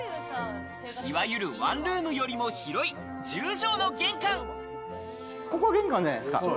いわゆるワンルームよりも広いここ玄関じゃないですか。